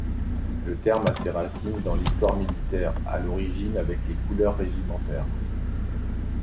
Le terme a ses racines dans l'histoire militaire, à l'origine avec les couleurs régimentaires.